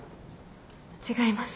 違います。